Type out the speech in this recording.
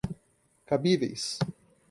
cabíveis